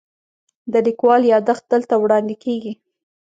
د لیکوال یادښت دلته وړاندې کیږي.